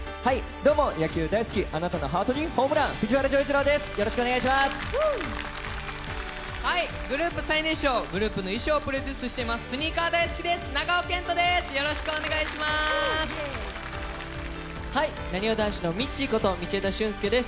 野球大好き、あなたのハートにホームラン、藤原丈一郎です。